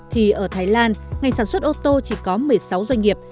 thì ở thái lan ngành sản xuất ô tô chỉ có một mươi sáu doanh nghiệp